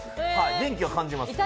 電気は感じます。